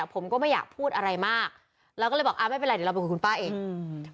ผมก็ไม่อยากพูดอะไรมากเราก็เลยบอกอ่าไม่เป็นไรเดี๋ยวเราไปคุยกับคุณป้าเองอืม